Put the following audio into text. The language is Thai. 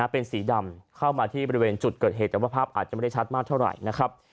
เป็นสีดำเข้ามาที่บริเวณจุดเกิดเหตุแต่ว่าภาพอาจจะไม่ได้ชัดมากเท่าไหร่นะครับ